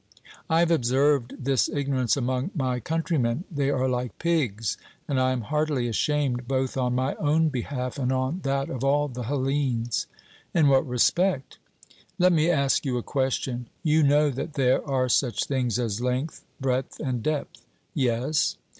I have observed this ignorance among my countrymen they are like pigs and I am heartily ashamed both on my own behalf and on that of all the Hellenes. 'In what respect?' Let me ask you a question. You know that there are such things as length, breadth, and depth? 'Yes.'